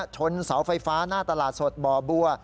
ชนเสาไฟฟ้าหน้าตลาดสดบ่อบัว